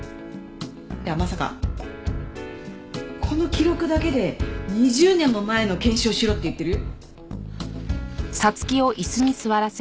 いやまさかこの記録だけで２０年も前の検視をしろって言ってる？